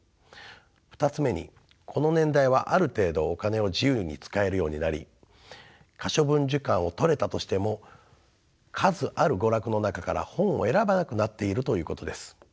２つ目にこの年代はある程度お金を自由に使えるようになり可処分時間を取れたとしても数ある娯楽の中から本を選ばなくなっているということです。